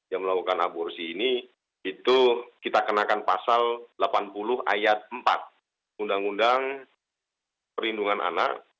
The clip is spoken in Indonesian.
yang melakukan aborsi ini itu kita kenakan pasal delapan puluh ayat empat undang undang perlindungan anak